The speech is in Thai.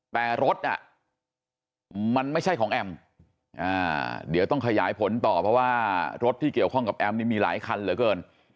แต่รถมันไม่ใช่ของแอมเดี๋ยวต้องขยายผลต่อเพราะว่ารถที่เกี่ยวข้องกับแอมนี่มีหลายคันเหลือเกิน